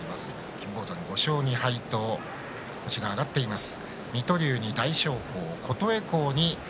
金峰山は５勝２敗と星が挙がっています。